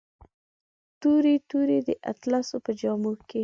تورې، تورې د اطلسو په جامو کې